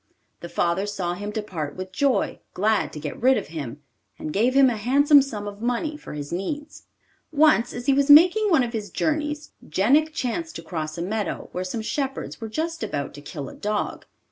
The father saw him depart with joy, glad to get rid of him, and gave him a handsome sum of money for his needs. Once, as he was making one of his journeys, Jenik chanced to cross a meadow where some shepherds were just about to kill a dog.